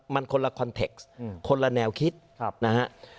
มันคนละคอนเทคสคนละแนวคิดนะฮะ